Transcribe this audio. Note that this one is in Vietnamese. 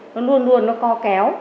nó luôn luôn nó co kéo